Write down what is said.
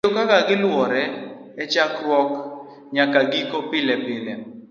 kendo kaka giluwore e chakruok nyaka giko pilepile.